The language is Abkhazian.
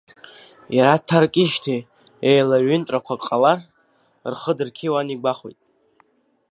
Иара дҭаркызижьҭеи, еилаҩынтрақәак ҟалазар, рхы дырқьиауан игәахәит.